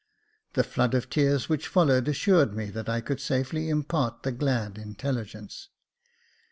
The flood of tears which followed, assured me that I could safely impart the glad intelligence.